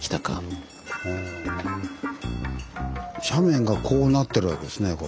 斜面がこうなってるわけですね。